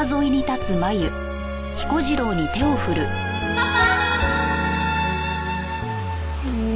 パパ！